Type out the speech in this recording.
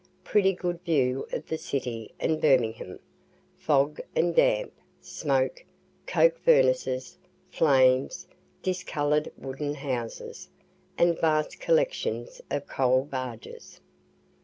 Pretty good view of the city and Birmingham fog and damp, smoke, coke furnaces, flames, discolor'd wooden houses, and vast collections of coal barges.